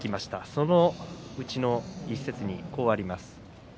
そのうちの一節にこうあります。